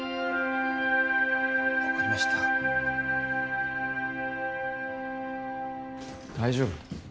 分かりました大丈夫？